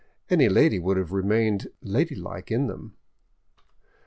Any lady would have remained ladylike in them.